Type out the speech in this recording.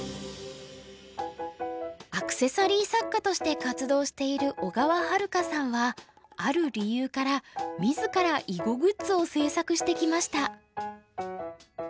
アクセサリー作家として活動している小川春佳さんはある理由から自ら囲碁グッズを制作してきました。